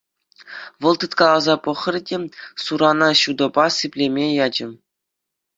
Вӑл тыткаласа пӑхрӗ те сурана ҫутӑпа сиплеме ячӗ.